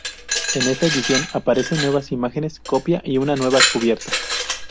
En esta edición aparecen nuevas imágenes, copia y una nueva cubierta.